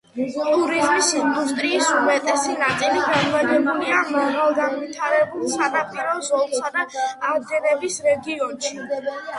ტურიზმის ინდუსტრიის უმეტესი ნაწილი განლაგებულია მაღალგანვითარებულ სანაპირო ზოლსა და არდენების რეგიონში.